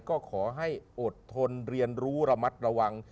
ก็ขอให้อดทนเรียนรู้ระมัดระวัง